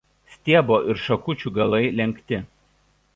Stiebo ir šakučių galai lenkti.